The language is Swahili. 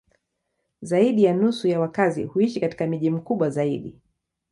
Zaidi ya nusu ya wakazi huishi katika miji mikubwa zaidi.